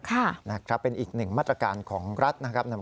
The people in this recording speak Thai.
ค่ะนะครับเป็นอีกหนึ่งมาตรการของรัฐนะครับ